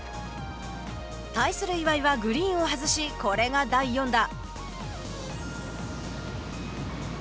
対する岩井はグリーンを外しこれが第４打。